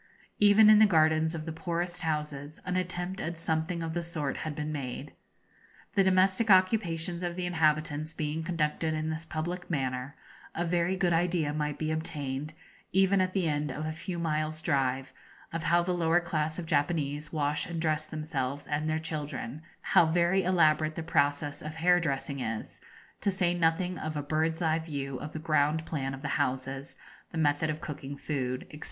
Even in the gardens of the poorest houses an attempt at something of the sort had been made. The domestic occupations of the inhabitants being conducted in this public manner, a very good idea might be obtained, even at the end of a few miles' drive, of how the lower class of Japanese wash and dress themselves and their children, how very elaborate the process of hair dressing is, to say nothing of a bird's eye view of the ground plan of the houses, the method of cooking food, &c.